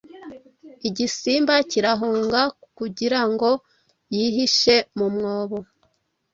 Igisimba kirahunga kugira ngo yihishe mu mwobo